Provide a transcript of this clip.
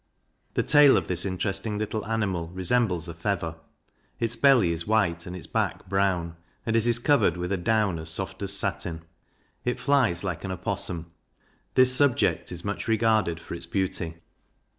The tail of this interesting little animal resembles a feather; its belly is white, and its back brown; and it is covered with a down as soft as satin. It flies like an Opossum. This subject is much regarded for its beauty.